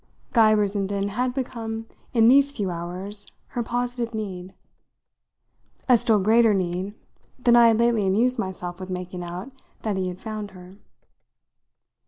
Guy Brissenden had become in these few hours her positive need a still greater need than I had lately amused myself with making out that he had found her.